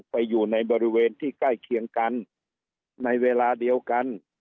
ไปอยู่ในบริเวณที่ใกล้เคียงกันในเวลาเดียวกัน